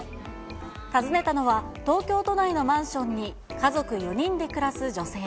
訪ねたのは東京都内のマンションに家族４人で暮らす女性。